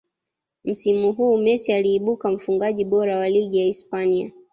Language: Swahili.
msimu huu Messi aliibuka mfungaji bora wa ligi ya hispania